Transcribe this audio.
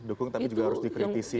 dukung tapi juga harus dikritisi